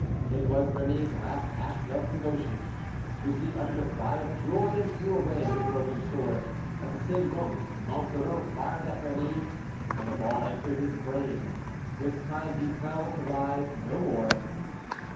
It was Rémy's last act of devotion. Bussy uttered a cry of joy, and threw away his broken sword: at the same moment Monsoreau fired at Rémy, and the ball entered his brain. This time he fell to rise no more.